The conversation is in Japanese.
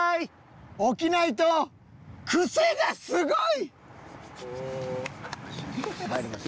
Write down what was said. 「起きないとクセがすごい！」。